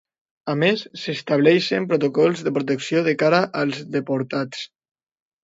A més s'estableixen protocols de protecció de cara als deportats.